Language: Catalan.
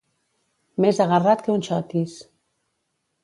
Més agarrat que un xotis.